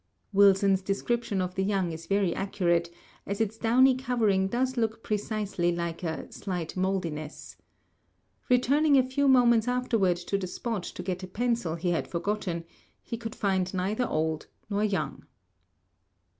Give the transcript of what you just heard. Wilson's description of the young is very accurate, as its downy covering does look precisely like a "slight moldiness." Returning a few moments afterward to the spot to get a pencil he had forgotten, he could find neither old nor young.